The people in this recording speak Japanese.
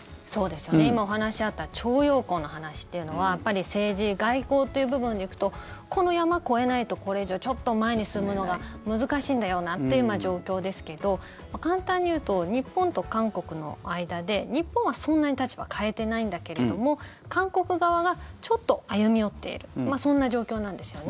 今お話あった徴用工の話っていうのはやっぱり政治、外交という部分で行くとこの山、越えないとこれ以上ちょっと前に進むのが難しいんだよなっていう状況ですけど簡単に言うと日本と韓国の間で日本はそんなに立場変えてないんだけれども韓国側がちょっと歩み寄っているそんな状況なんですよね。